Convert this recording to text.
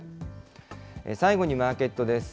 最後にマーケットです。